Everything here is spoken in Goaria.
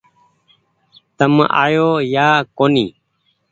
تم آيو يا ڪونيٚ